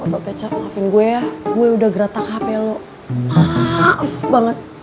botol kecap maafin gue ya gue udah geratak hape lu maaf banget